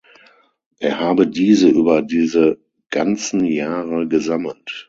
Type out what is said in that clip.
Er habe diese über diese ganzen Jahre gesammelt.